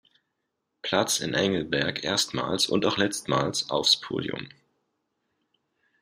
Platz in Engelberg erstmals und auch letztmals aufs Podium.